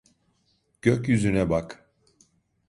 Gökyüzüne bak.